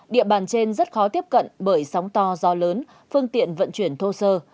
địa bàn trên rất khó tiếp cận bởi sóng to gió lớn phương tiện vận chuyển thô sơ